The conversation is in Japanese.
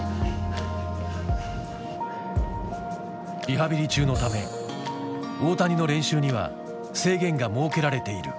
リハビリ中のため大谷の練習には制限が設けられている。